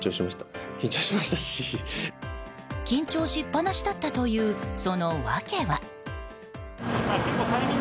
緊張しっぱなしだったというその訳は？